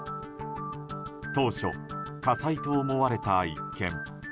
当初、火災と思われた一件。